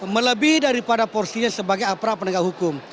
melebih daripada porsinya sebagai aparat penegak hukum